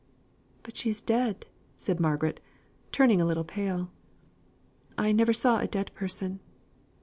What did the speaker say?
"But she's dead!" said Margaret, turning a little pale. "I never saw a dead person.